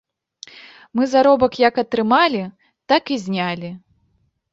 Мы заробак як атрымалі, так і знялі.